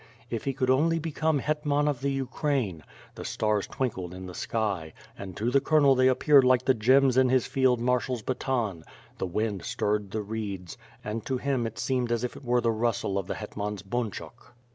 If he could only become hetman of the Ukraine! The stars twinkled in the sky, and to the colonel they appeared like the gems in his field marshaFs baton; the wind stirred the reeds, and to him it seemed as if it were the rustle of the hetman's bunchuk.